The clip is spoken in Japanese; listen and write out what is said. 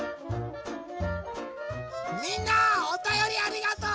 みんなおたよりありがとう！